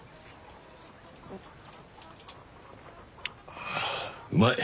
あうまい！